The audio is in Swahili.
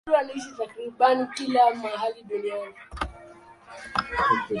Wadudu wanaishi takriban kila mahali duniani.